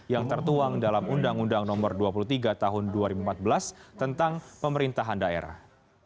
yang tertuang dalam undang undang nomor dua puluh tiga tahun dua ribu empat belas tentang pemerintahan daerah